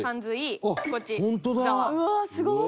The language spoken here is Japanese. うわーすごい！